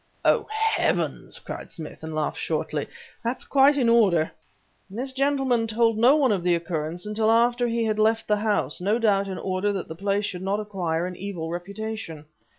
"Oh, Heavens!" cried Smith, and laughed shortly; "that's quite in order!" "This gentleman told no one of the occurrence until after he had left the house, no doubt in order that the place should not acquire an evil reputation.